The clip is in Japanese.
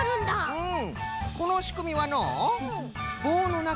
うん？